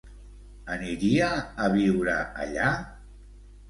Aniria a viure allà?